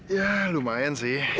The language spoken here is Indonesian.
ya lumayan sih